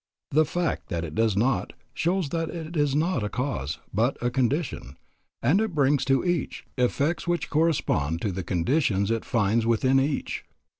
The fact that it does not, shows that it is not a cause, but a condition, and it brings to each, effects which correspond to the conditions it finds within each.